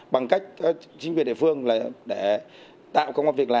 bằng cách chính quyền địa phương để tạo công an viện trợ pháp